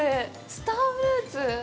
スターフルーツ？